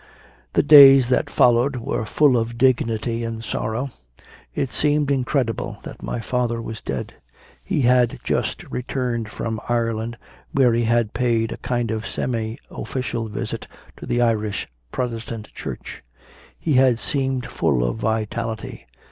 The days that followed were full of dignity and sorrow. It seemed incredible that my father was dead. He had just returned from Ireland, where he had paid a kind of semi official visit to the Irish Protestant Church; he had seemed full of vitality.